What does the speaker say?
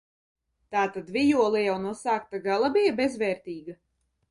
Tātad vijole jau no sākta gala bija bezvērtīga?